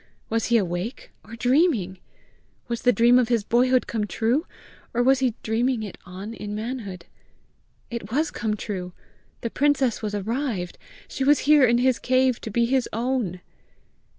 Was he awake or dreaming? Was the dream of his boyhood come true? or was he dreaming it on in manhood? It was come true! The princess was arrived! She was here in his cave to be his own!